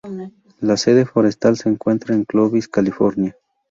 La sede forestal se encuentra en Clovis, California.